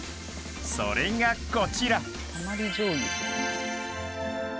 ［それがこちら］